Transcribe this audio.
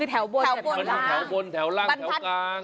แถวบนแถวล่างแถวกลาง